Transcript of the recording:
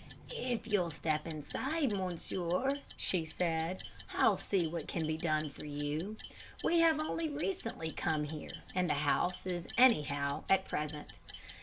'If you'll step inside, monsieur,' she said, 'I'll see what can be done for you. We have only recently come here, and the house is anyhow at present.